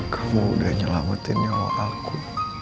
kamu udah nyelamatin nyawa aku